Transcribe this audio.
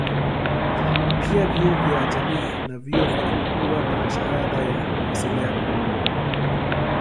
Pia vyuo vya jamii na vyuo vikuu huwa na shahada ya mawasiliano.